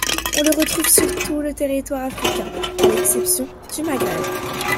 On le retrouve sur tout le territoire africain, à l'exception du Maghreb.